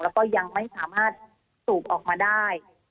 แล้วก็ยังไม่สามารถสูบออกมาได้